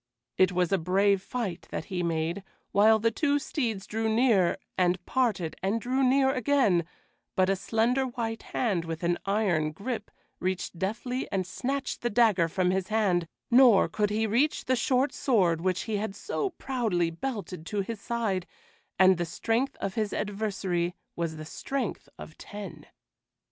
It was a brave fight that he made, while the two steeds drew near and parted and drew near again, but a slender white hand with an iron grip reached deftly and snatched the dagger from his hand, nor could he reach the short sword which he had so proudly belted to his side; and the strength of his adversary was as the strength of ten.